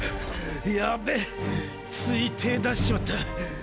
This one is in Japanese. やっべぇつい手ぇ出しちまった。